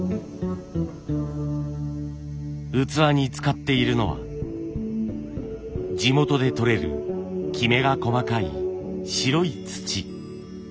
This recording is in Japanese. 器に使っているのは地元で採れるキメが細かい白い土。